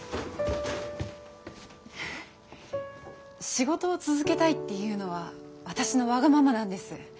仕事を続けたいっていうのは私のわがままなんです。